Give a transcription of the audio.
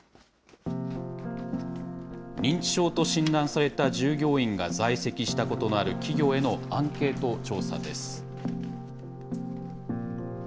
認知症と診断された従業員が在籍したことのある企業へのアンケート調査です。